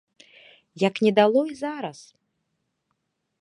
Як не дало і зараз.